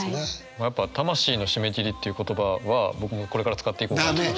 やっぱ「魂の締め切り」っていう言葉は僕もこれから使っていこう。